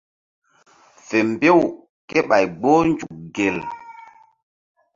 Fe mbew kéɓay gboh nzuk gel.